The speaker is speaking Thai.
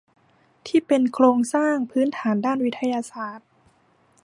ที่เป็นโครงสร้างพื้นฐานด้านวิทยาศาสตร์